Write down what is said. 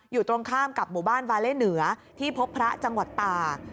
อยู่ตรงข้ามกับหมู่บ้านวาเล่เหนือที่พบพระจังหวัดตาก